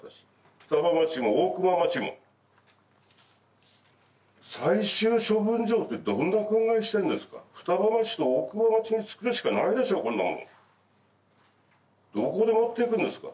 双葉町も大熊町も最終処分場ってどんな考えしてんですか双葉町と大熊町につくるしかないでしょこんなもんどこに持っていくんですか